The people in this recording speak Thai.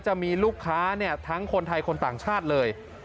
จะมีลูกค้าทั้งคนไทยคนต่างชาติเลย